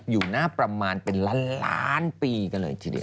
อยู่หน้าประมาณเป็นล้านล้านปีกันเลยทีเดียว